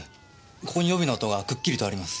ここに帯の跡がくっきりとあります。